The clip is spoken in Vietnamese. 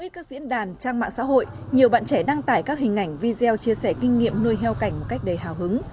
các diễn đàn trang mạng xã hội nhiều bạn trẻ đăng tải các hình ảnh video chia sẻ kinh nghiệm nuôi heo cảnh một cách đầy hào hứng